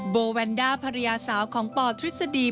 โบแวนด้าภรรยาสาวของปทฤษฎี